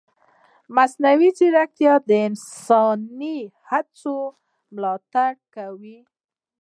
مصنوعي ځیرکتیا د انساني هڅو ملاتړ کوي.